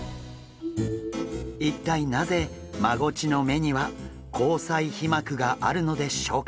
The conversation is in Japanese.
一体なぜマゴチの目には虹彩皮膜があるのでしょうか？